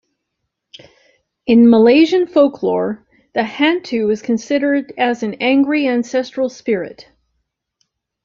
In Malaysian folklore, the hantu is considered as an angry ancestral spirit.